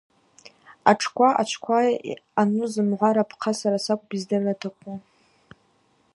Атшква, ачвква ъану зымгӏва рапхъа сара сакӏвпӏ йыздырра атахъу.